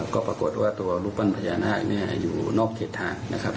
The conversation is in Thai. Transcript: ก็ปรากฏว่าตัวรูปปั้นพญานาคเนี่ยอยู่นอกเขตทางนะครับ